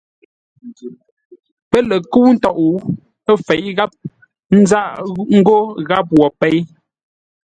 Pə́ lə kə́u ntôʼ, ə́ fěʼ gháp, ə́ nzáʼ ngó gháp wo péi.